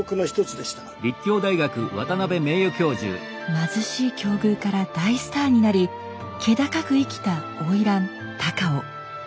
貧しい境遇から大スターになり気高く生きた花魁高尾。